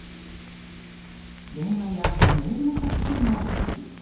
電話やメールの着信を拒否。